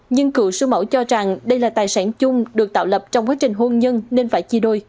nhưng cựu sư mẫu cho rằng đây là tài sản chung được tạo lập trong quá trình hôn nhân nên phải chia đôi